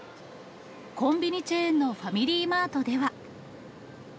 コンビニチェーンのファミリーマートでは。